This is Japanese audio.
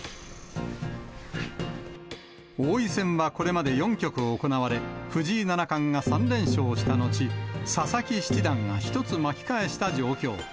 王位戦はこれまで４局行われ、藤井七冠が３連勝した後、佐々木七段が１つ巻き返した状況。